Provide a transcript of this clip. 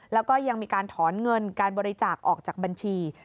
แล้วก็ยังมีการถอนเงินการบริจาคออกจากบัญชี